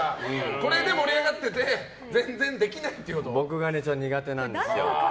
これで盛り上がってて僕が苦手なんです。